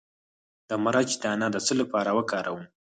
د مرچ دانه د څه لپاره وکاروم؟